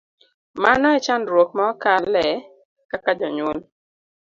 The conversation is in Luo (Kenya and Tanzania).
Mano e chandruok ma wakale kaka jonyuol.